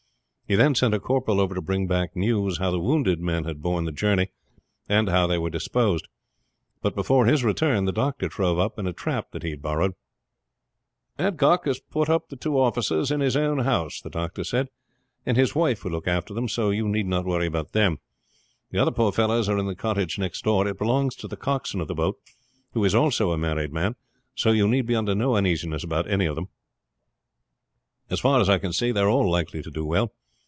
He then sent a corporal over to bring back news how the wounded men had borne the journey, and how they were disposed. But before his return the doctor drove up in a trap that he had borrowed. "Adcock has put up the two officers in his own house," he said, "and his wife will look after them, so you need not worry about them. The other poor fellows are in the cottage next door. It belongs to the coxswain of the boat, who is also a married man. So you need be under no uneasiness about any of them. As far as I can see, they are all likely to do well.